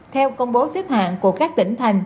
theo công bố xếp hạng của các tỉnh thành